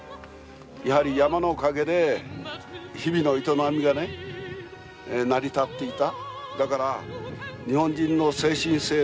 やはり山のおかげで日々の営みがね成り立っていた。